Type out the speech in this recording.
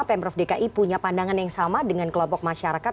pemprov dki punya pandangan yang sama dengan kelompok masyarakat